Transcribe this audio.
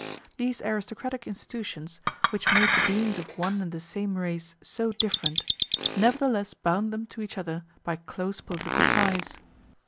These aristocratic institutions, which made the beings of one and the same race so different, nevertheless bound them to each other by close political ties.